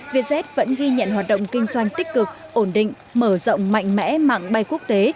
vietjet vẫn ghi nhận hoạt động kinh doanh tích cực ổn định mở rộng mạnh mẽ mạng bay quốc tế